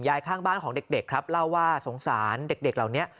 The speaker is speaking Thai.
ข้างบ้านของเด็กครับเล่าว่าสงสารเด็กเหล่านี้